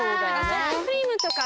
ソフトクリームとか。